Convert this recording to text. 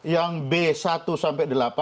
yang b satu sampai delapan